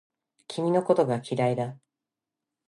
君のことが嫌いだ